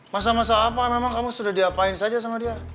masa masa apa memang kamu sudah diapain saja sama dia